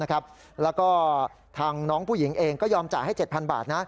แล้วก็ทางน้องผู้หญิงเองก็ยอมจ่ายให้๗๐๐บาท